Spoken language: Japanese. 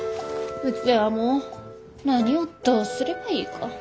うちはもう何をどうすればいいか。